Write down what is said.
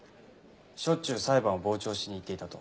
しょっちゅう裁判を傍聴しに行っていたと。